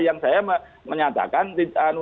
yang saya menyatakan